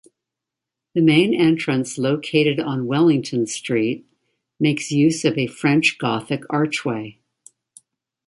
The main entrance located on Wellington Street makes use of a French Gothic archway.